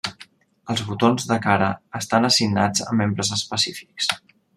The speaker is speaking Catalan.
Els botons de cara estan assignats a membres específics.